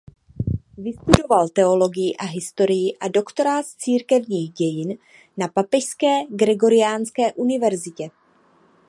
Vystudoval teologii a historii a doktorát z církevních dějin na Papežské Gregoriánské univerzitě.